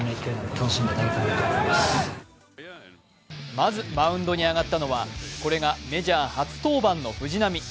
まずマウンドに上がったのは、これがメジャー初登板の藤浪。